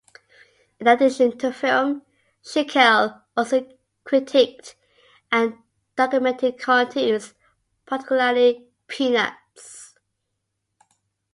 In addition to film, Schickel also critiqued and documented cartoons, particularly "Peanuts".